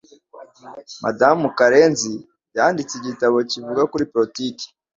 Madamu Karenzi yanditse igitabo kivuga kuri politiki.